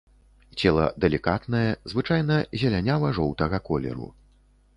Цела далікатнае, звычайна зелянява-жоўтага колеру.